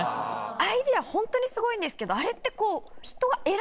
アイデアホントにすごいんですけどあれって。